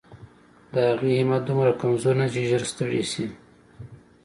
د هغې همت دومره کمزوری نه دی چې ژر ستړې شي.